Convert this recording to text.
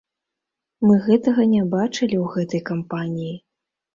Мы гэтага не бачылі ў гэтай кампаніі.